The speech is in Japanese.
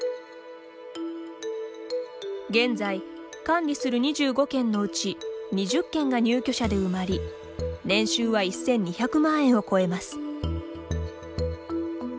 現在、管理する２５軒のうち２０軒が入居者で埋まり年収は１２００万円を超えます。